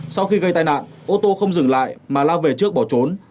sau khi gây tai nạn ô tô không dừng lại mà lao về trước bỏ trốn